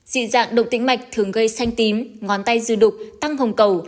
dị dạng động tính mạch thường gây xanh tím ngón tay dư đục tăng hồng cầu